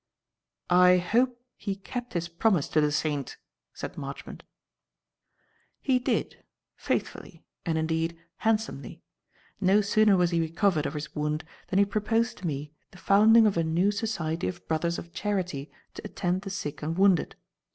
"I hope he kept his promise to the saint," said Marchmont. "He did; faithfully, and, indeed, handsomely. No sooner was he recovered of his wound than he proposed to me the founding of a new society of brothers of charity to attend the sick and wounded.